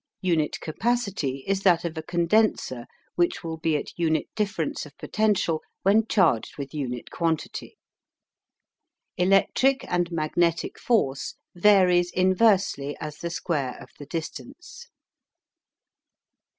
UNIT CAPACITY is that of a condenser which will be at unit difference of potential when charged with unit quantity. Electric and magnetic force varies inversely as the square of the distance.